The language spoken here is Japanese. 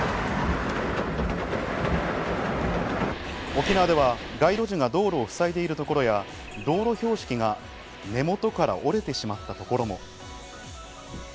沖縄では街路樹が道路をふさいでいるところや、道路標識が根元から折れてしまったところも。